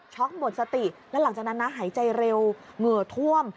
หมดสติแล้วหลังจากนั้นนะหายใจเร็วเหงื่อท่วม